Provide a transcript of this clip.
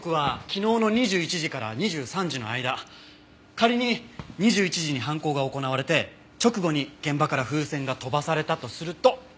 仮に２１時に犯行が行われて直後に現場から風船が飛ばされたとすると。